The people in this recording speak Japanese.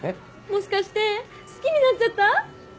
もしかして好きになっちゃった？